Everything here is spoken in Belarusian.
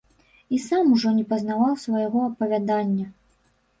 І сам ужо не пазнаваў свайго апавядання.